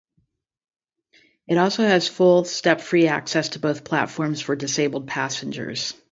It also has full step-free access to both platforms for disabled passengers.